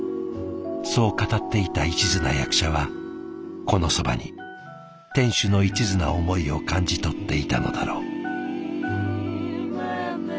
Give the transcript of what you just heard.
そう語っていたいちずな役者はこのそばに店主のいちずな思いを感じ取っていたのだろう。